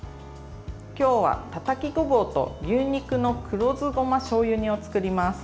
今日は、たたきごぼうと牛肉の黒酢ごましょうゆ煮を作ります。